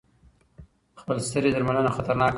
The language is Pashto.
خپلسري درملنه خطرناکه ده.